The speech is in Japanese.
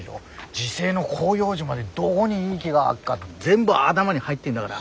自生の広葉樹までどごにいい木があっか全部頭に入ってんだがら。